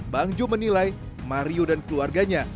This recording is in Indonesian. bang joe menilai mario dan keluarganya